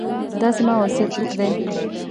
دا زما وصیت لیک دی.